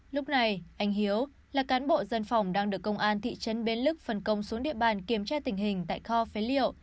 lúc này anh hiếu là cán bộ dân phòng đang được công an thị trấn bến lức phân công xuống địa bàn kiểm tra tình hình tại kho phế liệu